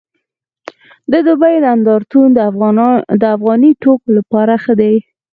د دوبۍ نندارتون د افغاني توکو لپاره ښه دی